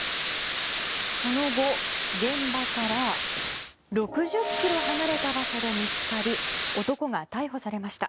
その後、現場から６０ｋｍ離れた場所で見つかり男が逮捕されました。